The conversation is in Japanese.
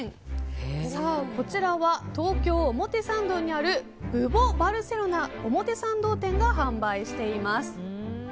こちらは東京・表参道にあるブボ・バルセロナ表参道店が販売しています。